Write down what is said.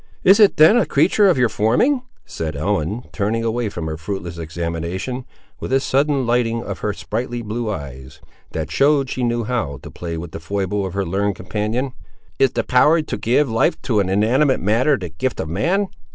"Is it then a creature of your forming?" said Ellen, turning away from her fruitless examination, with a sudden lighting of her sprightly blue eyes, that showed she knew how to play with the foible of her learned companion. "Is the power to give life to inanimate matter the gift of man?